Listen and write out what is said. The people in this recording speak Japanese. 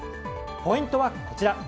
ポイントはこちら。